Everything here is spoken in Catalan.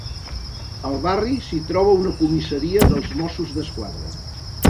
Al barri s'hi troba una comissaria dels Mossos d'Esquadra.